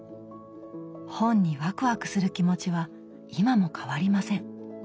本にワクワクする気持ちは今も変わりません。